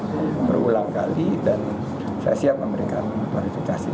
saya berulang kali dan saya siap memberikan klarifikasi